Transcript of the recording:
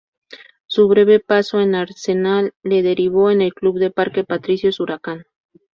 Su breve paso en Arsenal lo derivó en el club de Parque Patricios, Huracán.